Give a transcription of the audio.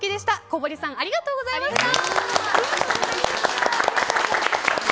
小堀さんありがとうございました。